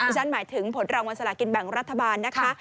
ฉันหมายถึงผลรางวัลสลากินแบ่งรัฐบาลนะคะ